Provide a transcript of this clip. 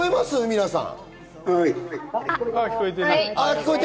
皆さん。